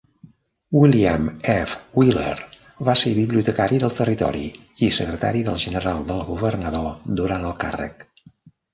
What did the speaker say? William F. Wheeler va ser bibliotecari del territori i secretari del general del governador durant el càrrec.